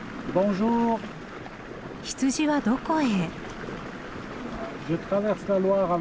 羊はどこへ？